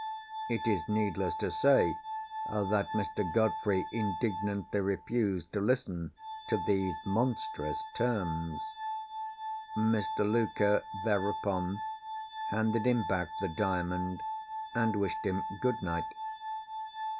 It is needless to say, that Mr. Godfrey indignantly refused to listen to these monstrous terms. Mr. Luker thereupon, handed him back the Diamond, and wished him good night.